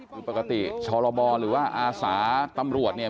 คือปกติชรบหรือว่าอาสาตำรวจเนี่ย